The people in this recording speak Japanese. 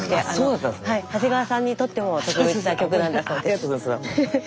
長谷川さんにとっても特別な曲なんだそうです。